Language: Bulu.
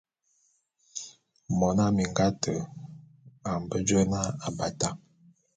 Mona minga ate a mbe jôé na Abata.